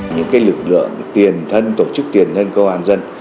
những cái lực lượng tiền thân tổ chức tiền thân công an dân